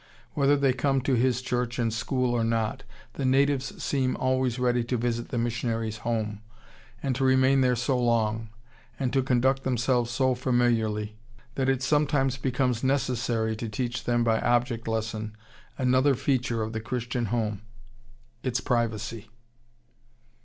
Whether they come to his church and school or not, the natives seem always ready to visit the missionary's home, and to remain there so long, and to conduct themselves so familiarly, that it sometimes becomes necessary to teach them by object lesson another feature of the Christian home its privacy....